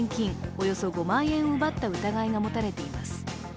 およそ５万円を奪った疑いが持たれています。